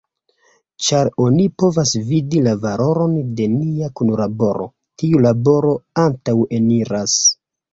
Ĉar oni povas vidi la valoron de nia kunlaboro, tiu laboro antaŭeniras.